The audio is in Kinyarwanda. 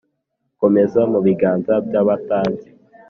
komeza mu biganza by'abatazi,